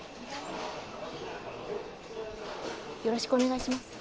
よろしくお願いします。